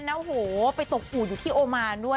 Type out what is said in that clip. โอ้โหไปตกอูดอยู่ที่โอมานด้วย